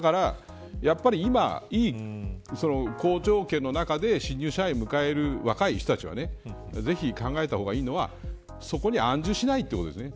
だから今、好条件の中で新入社員を迎える若い人たちぜひ考えた方がいいのはそこに安住しないということですね。